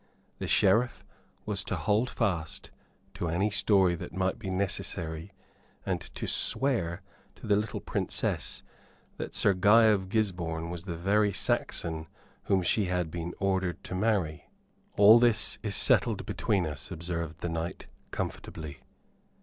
The Sheriff was to hold fast to any story that might be necessary, and to swear to the little Princess that Sir Guy of Gisborne was the very Saxon whom she had been ordered to marry. "All this is settled between us," observed the knight, comfortably.